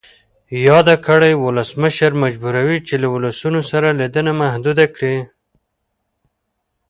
یاده کړۍ ولسمشر مجبوروي چې له ولسونو سره لیدنه محدوده کړي.